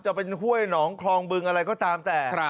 จะเป็นห้วยหนองคลองบึงอะไรก็ตามแต่